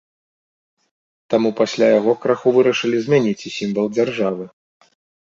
Таму пасля яго краху вырашылі змяніць і сімвал дзяржавы.